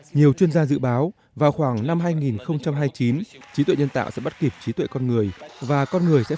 nhiều chuyên gia dự báo vào khoảng năm hai nghìn hai mươi chín trí tuệ nhân tạo sẽ bắt kịp trí tuệ con người